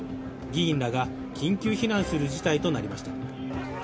議員らが緊急避難する事態となりました。